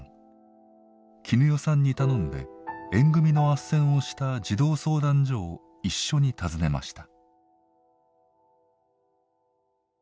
絹代さんに頼んで縁組のあっせんをした児童相談所を一緒に訪ねました。